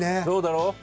「そうだろう？」。